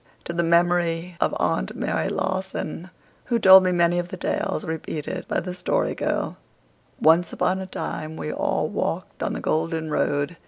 TO THE MEMORY OF Aunt Mary Lawson WHO TOLD ME MANY OF THE TALES REPEATED BY THE STORY GIRL FOREWORD Once upon a time we all walked on the golden road.